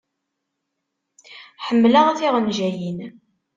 Ḥemmleɣ tiɣenjayin.